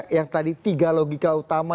yang tadi tiga logika utama